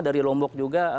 dari lombok juga